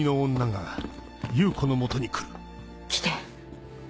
来て。